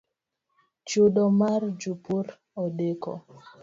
Chudo mar jopur odeko